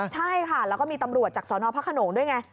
ใช่ค่ะแล้วก็มีตำรวจจากสนพระขนงด้วยไง